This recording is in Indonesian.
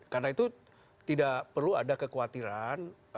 karena itu tidak perlu ada kekhawatiran